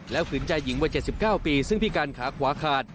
แล้วขืนยายวัย๗๙ปีซึ่งพี่การขาขวาขาด